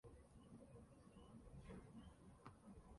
Abana babiri bafite irangi ryo mumaso bicaye hasi imbere yidirishya